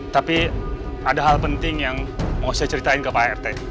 tapi ada hal penting yang mau saya ceritain ke pak rt